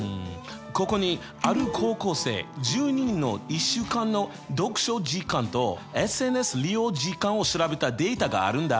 ここにある高校生１０人の１週間の読書時間とＳＮＳ利用時間を調べたデータがあるんだ。